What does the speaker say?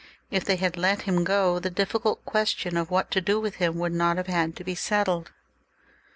If they had let him go, the difficult question of what to do with him would not have had to be settled.